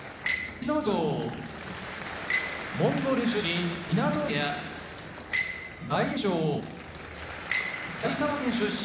逸ノ城モンゴル出身湊部屋大栄翔埼玉県出身